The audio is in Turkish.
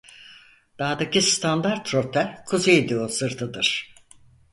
Dağdaki standart rota Kuzeydoğu sırtıdır.